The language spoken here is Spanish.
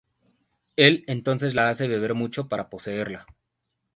Él entonces la hace beber mucho para poseerla.